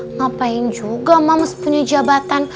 ngapain juga mamas punya jabatan